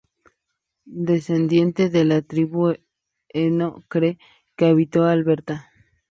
Descendiente de la tribu "enoch cree" que habitó Alberta.